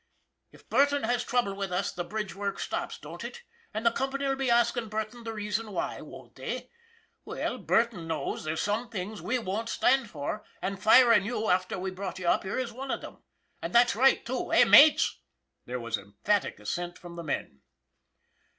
If Burton has trouble with us the bridge work stops, don't it? And the company'll be askin' Burton the reason why, won't they? Well, Burton knows there's some things we won't stand for, and firm' you after we brought you up here is one of them. And that's right, too, eh, mates ?" There was emphatic assent from the men.